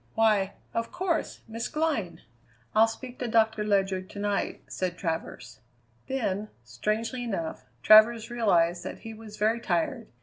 Why, of course, Miss Glynn!" "I'll speak to Doctor Ledyard to night," said Travers. Then, strangely enough, Travers realized that he was very tired.